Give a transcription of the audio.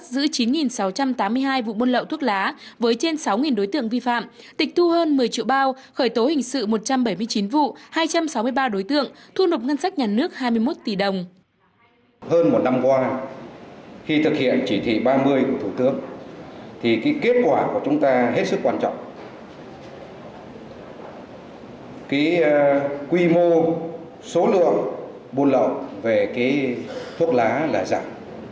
quy mô số lượng buôn lậu về thuốc lá là giảm